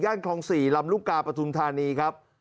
ย่านคลอง๔ลำลูกกาปทุนธานีครับ